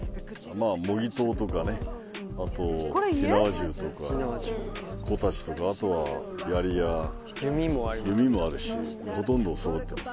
まあ模擬刀とかねあと火縄銃とか小太刀とかあとはやりや弓もあるしほとんど揃ってます。